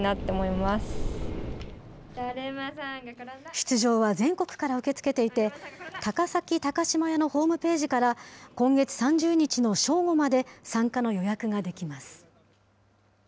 出場は全国から受け付けていて、高崎高島屋のホームページから、今月３０日の正午まで参加の予約ができます。